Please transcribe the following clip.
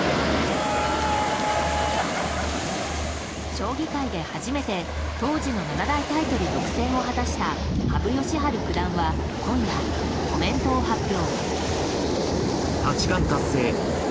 将棋界で初めて、当時の七大タイトル独占を果たした羽生善治九段は今夜、コメントを発表。